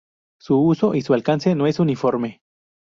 Su uso y su alcance no es uniforme.